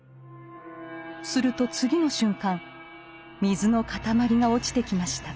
すると次の瞬間水の塊が落ちてきました。